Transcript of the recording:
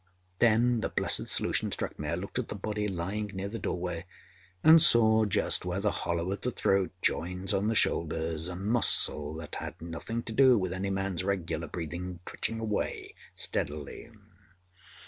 Then the blessed solution struck me. I looked at the body lying near the doorway, and saw, just where the hollow of the throat joins on the shoulders, a muscle that had nothing to do with any man's regular breathing, twitching away steadily.